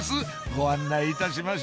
ご案内いたしましょう！